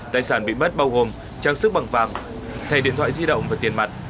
tài sản bị mất bao gồm trang sức bằng vàng thay điện thoại di động và tiền mặt